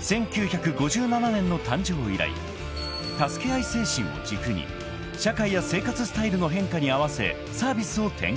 ［１９５７年の誕生以来「たすけあい」精神を軸に社会や生活スタイルの変化に合わせサービスを展開］